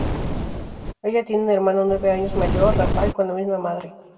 Ella tiene un hermano nueve años mayor, Rafał, con la misma madre.